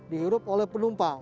dihirup oleh penumpang